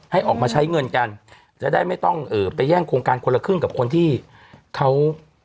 ให้ออกมาใช้เงินกันจะได้ไม่ต้องเอ่อไปแย่งโครงการคนละครึ่งกับคนที่เขา